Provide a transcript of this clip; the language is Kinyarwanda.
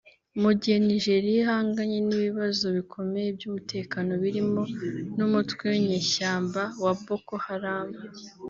mu gihe Nigeria ihanganye n’ibibazo bikomeye by’umutekano birimo n’umutwe w’inyeshyamba wa Boko Haram